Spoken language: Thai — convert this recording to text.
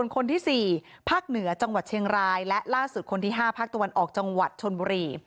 คนที่๔ภาคเหนือจังหวัดเชียงราย๕ภาคตัวออกจังหวัดชนบุรี